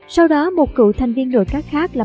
sau đó một cựu thành viên đội các khác là